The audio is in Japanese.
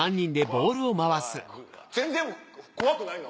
うわ全然怖くないの？